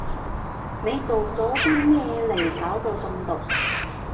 你做咗啲咩嚟搞到中毒？